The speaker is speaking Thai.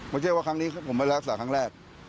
ไม่ใช่ว่าครั้งนี้ผมไปรักษาครั้งแรก